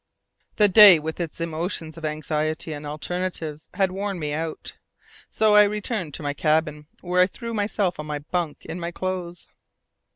The day, with its emotions of anxiety and alternatives, had worn me out. So I returned to my cabin, where I threw myself on my bunk in my clothes.